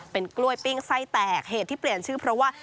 เป็นกล้วยปิ้งไส้แตกเหตุที่เปลี่ยนชื่อเพราะว่า